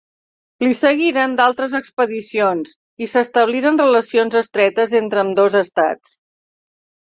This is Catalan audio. Li seguiren d'altres expedicions i s'establiren relacions estretes entre ambdós estats.